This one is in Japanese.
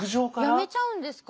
やめちゃうんですか？